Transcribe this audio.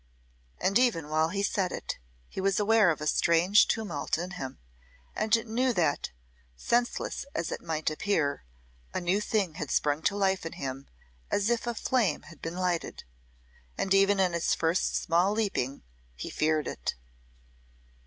And even while he said it he was aware of a strange tumult in him, and knew that, senseless as it might appear, a new thing had sprung to life in him as if a flame had been lighted. And even in its first small leaping he feared it.